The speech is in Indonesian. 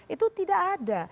itu tidak ada